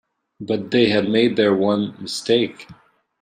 But they had made their one mistake.